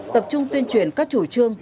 tập trung tuyên truyền các chủ trương